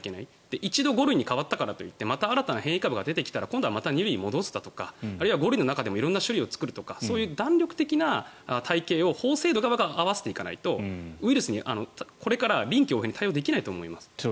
一度５類になったからといってまた新たな変異株が出てきたらまた２類に戻すだとか５類の中で色んな種類を作るだとかそういう弾力的な体系を法制度側が合わせていかないとウイルスにこれから臨機応変に対応できないと思います。